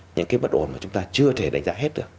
những cái bất ổn mà chúng ta chưa thể đánh giá hết được